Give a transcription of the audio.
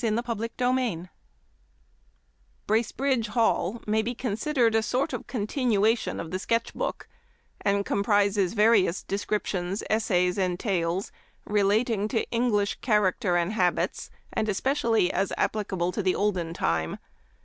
" T3RACEBRIDGE HALL" may be con ■^ sidered a sort of continuation of the Sketch Book, and comprises various descrip tions, essays, and tales relating to English char acter and habits, and especially as applicable to the olden time.